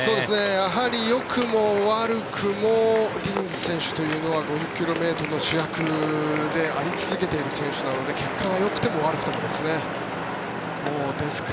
やはり、よくも悪くもディニズ選手というのは５０ｋｍの主役であり続けている選手なので結果がよくても悪くてもですね。